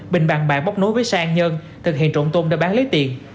bình bàn bạc bóc nối với xe an nhân thực hiện trộm tôm đã bán lấy tiền